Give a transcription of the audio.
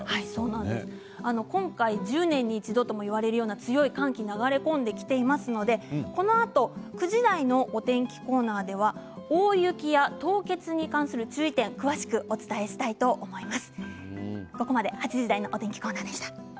今回、１０年に一度ともいわれるような強い寒気が流れ込んできていますのでこのあと９時台のお天気コーナーでは大雪や凍結に関する注意点を詳しくお伝えしたいと思います。